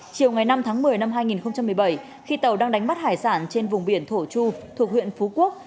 chiều ngày năm tháng một mươi năm hai nghìn một mươi bảy khi tàu đang đánh bắt hải sản trên vùng biển thổ chu thuộc huyện phú quốc